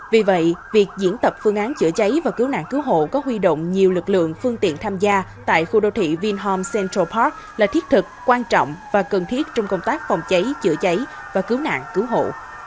vì vậy việc diễn tập phương án chữa cháy và cứu nạn cứu hộ có huy động nhiều lực lượng phương tiện tham gia tại khu đô thị vinhom central park là thiết thực quan trọng và cần thiết trong công tác phòng cháy chữa cháy và cứu nạn cứu hộ